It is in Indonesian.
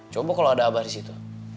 coba kalau ada abah di situ